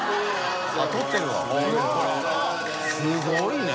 すごいね。